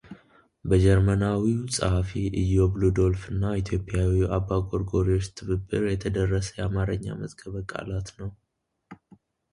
በጀርመናዊው ጸሐፊ እዮብ ሉዶልፍ እና ኢትዮጵያዊው አባ ጎርጎርዮስ ትብብር የተደረሰ የአማርኛ መዝገበ ቃላት ነው።